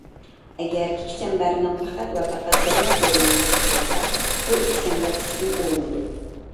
ئەگەر ئىككى چەمبەرنىڭ پەقەت ۋە پەقەت بىرلا ئۇرۇنمىسى بولسا، بۇ ئىككى چەمبەر ئىچىدىن ئۇرۇنىدۇ.